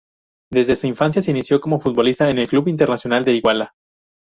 Desde su infancia se inició como futbolista en el Club Internacional de Iguala.